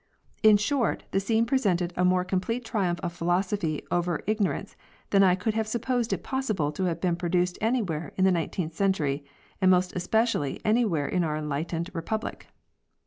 In short, the scene presented a more complete triumph of philosophy over ignorance than I could have supposed it possible to have been produced anywhere in the nineteenth century, and most especially anywhere in our enlightened Republic.